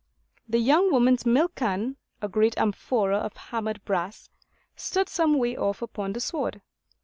The young woman's milk can, a great amphora of hammered brass, stood some way off upon the sward.